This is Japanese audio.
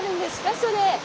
それ。